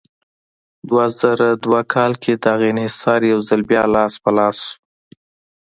دوه زره دوه کال کې دغه انحصار یو ځل بیا لاس په لاس شو.